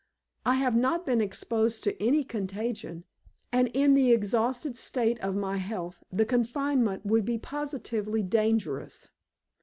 "I have not been exposed to any contagion, and in the exhausted state of my health the confinement would be positively dangerous."